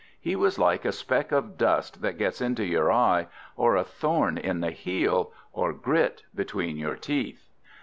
He was like a speck of dust that gets into your eye, or a thorn in the heel, or grit between your teeth.